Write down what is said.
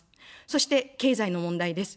そして経済の問題です。